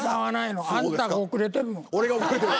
俺が遅れてる。